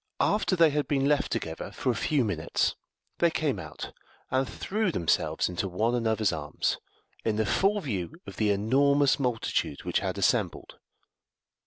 After they had been left together for a few minutes they came out, and threw themselves into one another's arms, in the full view of the enormous multitude which had assembled.